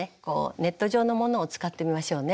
ネット状のものを使ってみましょうね。